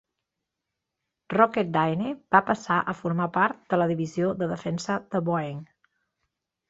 Rocketdyne va passar a formar part de la divisió de Defensa de Boeing.